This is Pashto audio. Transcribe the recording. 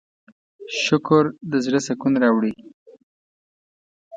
شکر د زړۀ سکون راوړي.